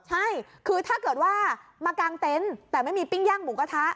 ใช่คือถ้าเกิดว่ามากางเต็นต์แต่ไม่มีปิ้งย่างหมูกระทะ